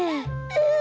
うん。